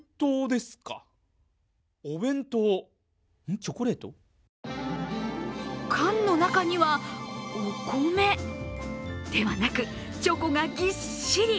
チョコレート？缶の中にはお米ではなくチョコがぎっしり。